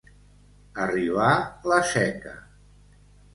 Arribar la Seca.